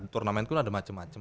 turnamen pun ada macam macam